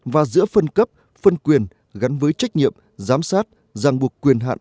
và giữa phân cấp phân quyền gắn với trách nhiệm giám sát ràng buộc quyền hạn